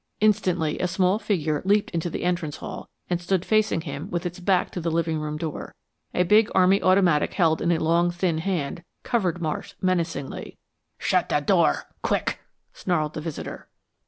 Instantly a small figure leaped into the entrance hall and stood facing him with its back to the living room door. A big army automatic held in a long, thin hand, covered Marsh menacingly. "Shut the door QUICK!" snarled the visitor.